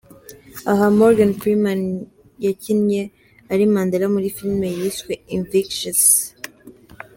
Aha, Morgan Freeman yakinnye ari Mandela muri filime yiswe Invictus.